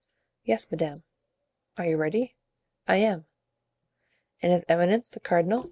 "Yes, madame." "Are you ready?" "I am." "And his eminence, the cardinal?"